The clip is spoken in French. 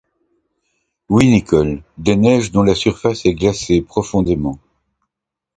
Oui, Nicholl, des neiges dont la surface est glacée profondément.